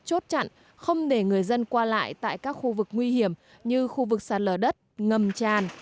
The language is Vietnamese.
chốt chặn không để người dân qua lại tại các khu vực nguy hiểm như khu vực sạt lở đất ngầm tràn